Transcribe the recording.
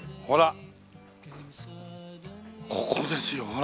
ほらここですよ。